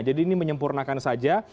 jadi ini menyempurnakan saja